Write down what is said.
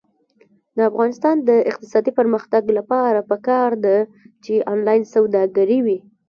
د افغانستان د اقتصادي پرمختګ لپاره پکار ده چې آنلاین سوداګري وي.